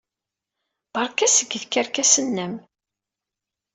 Beṛka seg tkerkas-nnem!